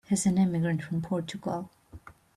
He's an immigrant from Portugal.